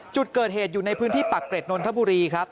จุดเกิดเหตุอยู่ในพื้นที่ปากเกร็ดนนทบุรีครับ